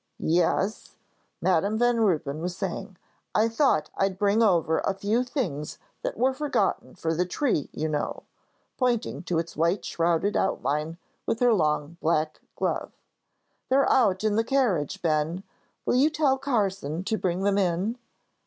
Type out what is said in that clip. "Yes," Madam Van Ruypen was saying, "I thought I'd bring over a few things that were forgotten for the tree, you know," pointing to its white shrouded outline with her long black glove. "They're out in the carriage, Ben. Will you tell Carson to bring them in?"